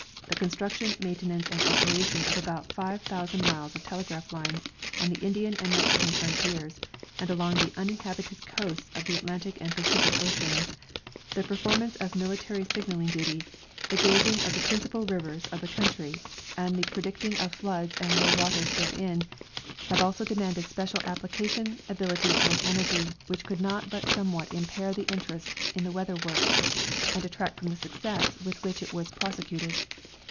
The construction, maintenance and opera tion of about 5,000 miles of telegraph lines on the Indian and Mexican frontiers and along the uninhabited coasts of the Atlantic and Pacific oceans, the performance of military signal ing duty, the gauging of the principal rivers of the country and 98 General A. W. Greely — Geogra'phi/ of the Air. the predicting of floods and low waters therein, have also demanded special application, ability and energy which could not but somewhat impair the interest in the weather work and detract from the success Avith which it was prosecuted.